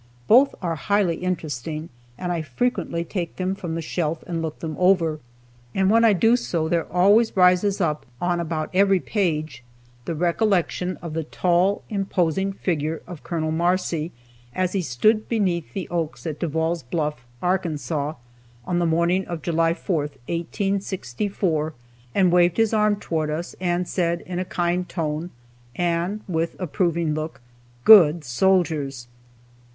Both are highly interesting, and I frequently take them from the shelf and look them over. And when I do so, there always rises up on about every page the recollection of the tall, imposing figure of Col. Marcy, as he stood beneath the oaks at Devall's Bluff, Arkansas, on the morning of July 4th, 1864, and waved his arm towards us, and said in a kind tone, and with approving look: "Good soldiers!"